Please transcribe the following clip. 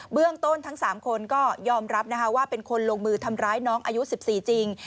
เรื่องต้นทั้ง๓คนก็ยอมรับนะคะว่าเป็นคนลงมือทำร้ายน้องอายุ๑๔จริง